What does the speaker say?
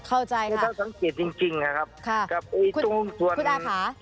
เข้าใจแจ้งจริงครับได้กลุ่มส่วนส่วนขวา